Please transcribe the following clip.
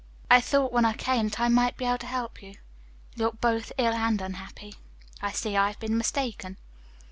I thought when I came that I might be able to help you. You look both ill and unhappy. I see I have been mistaken."